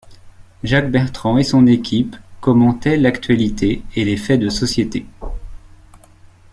Jacques Bertand et son équipe commentaient l'actualité et les faits de société.